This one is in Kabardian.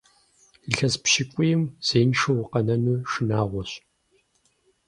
Илъэс пщыкӀуийм зеиншэу укъэнэну шынагъуэщ.